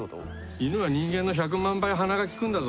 犬は人間の１００万倍鼻が利くんだぞ。